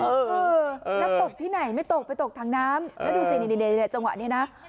นักตกที่ไหนไม่ตกไปตกทางน้ำแล้วดูสิในจังหวะนี้นะ